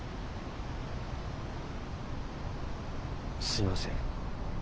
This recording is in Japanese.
すみません。